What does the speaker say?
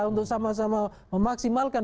untuk sama sama memaksimalkan